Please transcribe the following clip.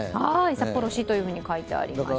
札幌市というふうに書いてありました。